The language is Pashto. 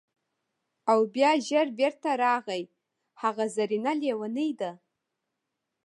او بیا ژر بیرته راغی: هغه زرینه لیونۍ ده!